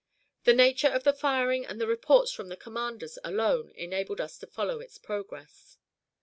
The nature of the firing and the reports from the commanders alone enabled us to follow its progress.